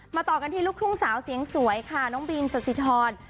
ต่อกันที่ลูกทุ่งสาวเสียงสวยค่ะน้องบีมสสิทร